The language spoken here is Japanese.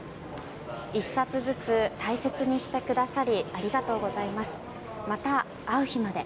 １冊ずつ大切にしてくださりありがとうございますまた会う日まで。